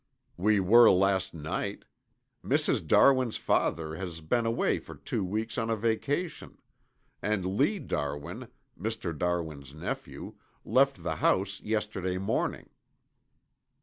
"We were last night. Mrs. Darwin's father has been away for two weeks on a vacation, and Lee Darwin, Mr. Darwin's nephew, left the house yesterday morning."